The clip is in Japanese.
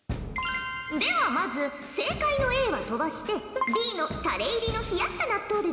ではまず正解のＡは飛ばしてＤのタレ入りの冷やした納豆で挑戦じゃ。